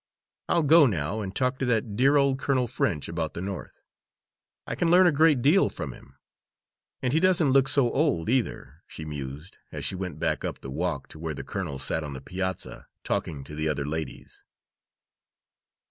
I'll go now and talk to that dear old Colonel French about the North; I can learn a great deal from him. And he doesn't look so old either," she mused, as she went back up the walk to where the colonel sat on the piazza talking to the other ladies.